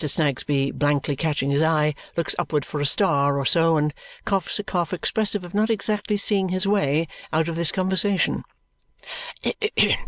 Snagsby, blankly catching his eye, looks upward for a star or so and coughs a cough expressive of not exactly seeing his way out of this conversation.